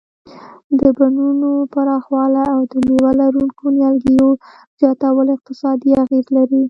د بڼونو پراخوالی او د مېوه لرونکو نیالګیو زیاتول اقتصادي اغیز لري.